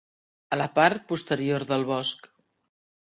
A la part posterior del bosc.